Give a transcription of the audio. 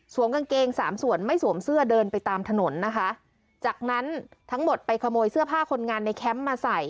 กางเกงสามส่วนไม่สวมเสื้อเดินไปตามถนนนะคะจากนั้นทั้งหมดไปขโมยเสื้อผ้าคนงานในแคมป์มาใส่